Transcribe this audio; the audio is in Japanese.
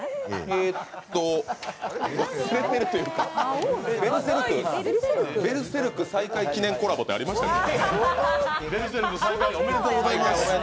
えーっと「ベルセルク」再開記念コラボってありましたっけ。